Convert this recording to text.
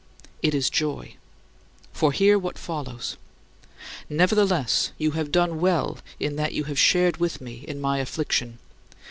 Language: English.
It is joy! For hear what follows: "Nevertheless, you have done well in that you have shared with me in my affliction."